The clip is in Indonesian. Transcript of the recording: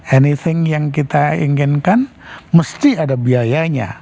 anishing yang kita inginkan mesti ada biayanya